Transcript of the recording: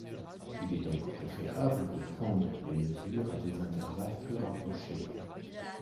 Il est donc préférable de prendre les mesures à des intervalles plus rapprochés.